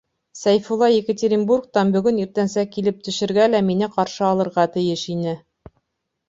Сәйфулла Екатеринбургтан бөгөн иртәнсәк килеп төшөргә лә мине ҡаршы алырға тейеш ине.